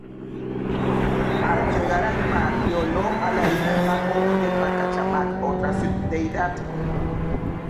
Al llegar al mar, violó a la hija más joven de Pachacamac, otra deidad.